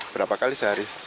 berapa kali sehari